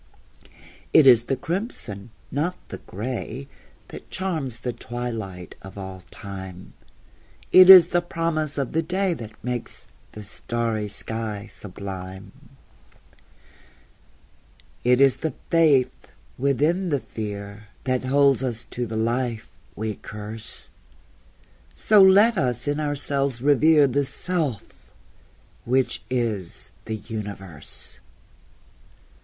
It is the crimson, not the gray, That charms the twilight of all time; It is the promise of the day That makes the starry sky sublime; It is the faith within the fear That holds us to the life we curse; So let us in ourselves revere The Self which is the Universe!